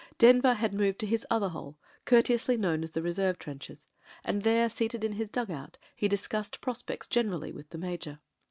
Denver had moved to his other hole, courteously known as the reserve trenches, and there seated in his dug out he discussed prospects generally with the Major.